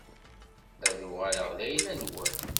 Ad uɣalen d ayla-nwen.